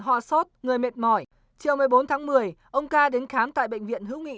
ho sốt người mệt mỏi chiều một mươi bốn tháng một mươi ông ca đến khám tại bệnh viện hữu nghị